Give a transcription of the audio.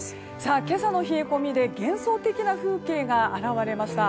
今朝の冷え込みで幻想的な風景が現れました。